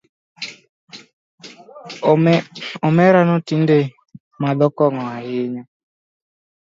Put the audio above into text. Omerano tinde madho kong’o ahinya